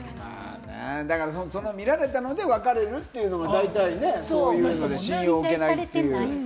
見られたので別れるっていうのが大体ね、そういうので信用がおけないっていう。